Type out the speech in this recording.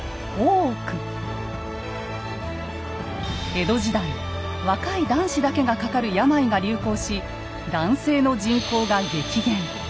江戸時代若い男子だけがかかる病が流行し男性の人口が激減。